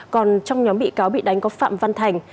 còn trong nhóm bị cáo bị đánh có phạm văn thành